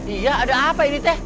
iya ada apa ini teh